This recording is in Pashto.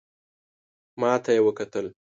ماته یې وکتل .